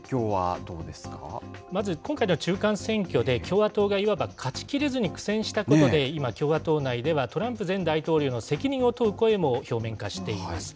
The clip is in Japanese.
まず今回の中間選挙で、共和党がいわば勝ちきれずに苦戦したことで、今、共和党内ではトランプ前大統領の責任を問う声も表面化しています。